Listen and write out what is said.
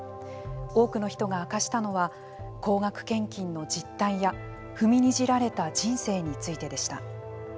多くの人が明かしたのは高額献金の実態や踏みにじられた人生についてでした。